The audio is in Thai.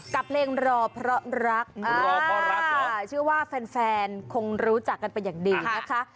กับเพลงรอเพราะรักชื่อว่าแฟนคงรู้จักกันเป็นอย่างดีนะคะ